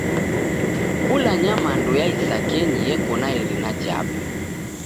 Kula nyamandu ya isakenyi eko na irina jape.